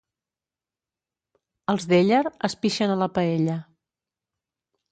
Els d'Éller es pixen a la paella.